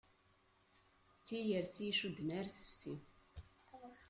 Tiyersi icudden ar tefsi.